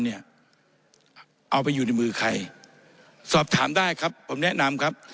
เอาไปอยู่ในมือใครสอบถามได้ครับผมแนะนำครับ